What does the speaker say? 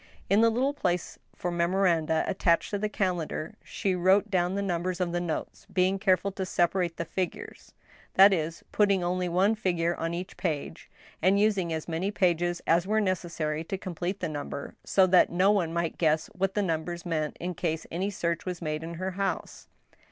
In the iittle place for memoranda attached to the calendar she wrote down the numbers of the notes, being careful to separate the figures ; that is, putting only one figure on each page, and using as many pages as were necessary to complete the number, so that no one might guess what the numbers meant in case any search was made in her house.